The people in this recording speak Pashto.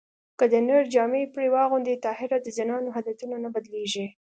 که د نر جامې پرې واغوندې طاهره د زنانو عادتونه نه بدلېږي